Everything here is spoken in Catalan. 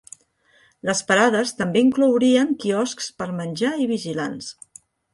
Les parades també inclourien quioscs per menjar i vigilants.